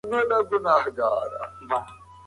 د کلي په منځ کې یو پخوانی او د اوبو ډک کوهی شته.